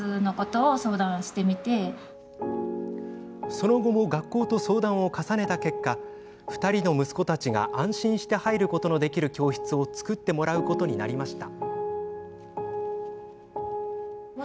その後も学校と相談を重ねた結果２人の息子たちが安心して入ることのできる教室を作ってもらうことになりました。